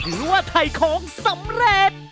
หรือว่าถ่ายของสำเร็จ